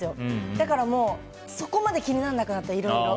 だからもうそこまで気にならなくなった、いろいろと。